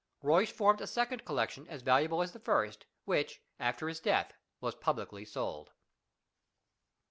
Ruysch formed a second collection as valuable as the first, which after his death was publicly sold.